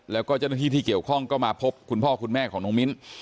แล้วก็เจ้าหน้าที่ที่เกี่ยวข้องก็มาพบคุณพ่อคุณแม่ของน้องมิ้น